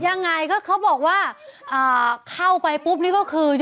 ยังไงก็เขาบอกว่าเข้าไปปุ๊บนี่ก็คือ